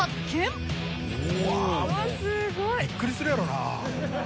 ビックリするやろなぁ。